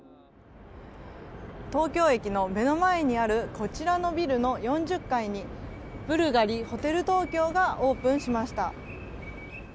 東京駅の目の前にあるこちらのビルの４０階にブルガリホテル東京がオープンしました。